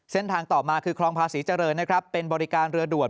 เส้นทางต่อมาคือคลองภาษีเจริญนะครับเป็นบริการเรือด่วน